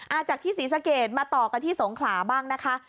จากที่ศรีสะเกดมาต่อกันที่สงขลาบ้างนะคะ